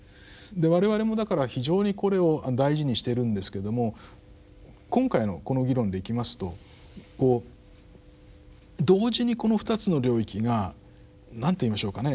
で我々もだから非常にこれを大事にしているんですけども今回のこの議論でいきますとこう同時にこの２つの領域がなんと言いましょうかね